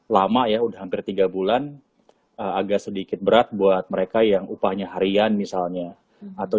lama ya udah hampir tiga bulan agak sedikit berat buat mereka yang upahnya harian misalnya atau